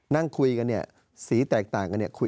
นั่งคุยกันเนี่ยสีแตกต่างกันเนี่ย